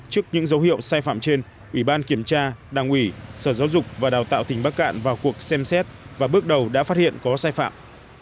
trước những dấu hiệu sai phạm trên ủy ban kiểm tra đảng ủy sở giáo dục và đào tạo tỉnh bắc cạn vào cuộc xem xét và bước đầu đã phát hiện có sai phạm